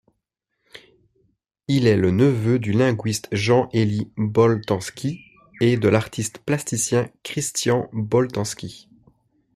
Il est le neveu du linguiste Jean-Élie Boltanski et de l'artiste plasticien Christian Boltanski.